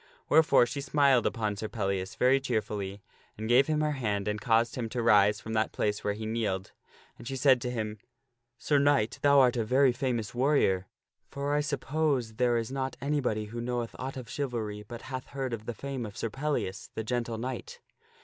Wherefore she smiled upon Sir Pellias very cheerfully and gave him her hand and caused him to arise from that place where he kneeled. And she said to him, "Sir Knight, thou art a very famous warrior ; for I suppose there is not anybody who knoweth aught of chivalry but hath heard of the fame of Sir Pellias, the Gentle Knight.